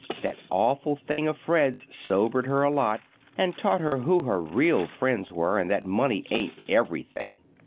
That awful thing of Fred's sobered her a lot, and taught her who her real friends were, and that money ain't everything.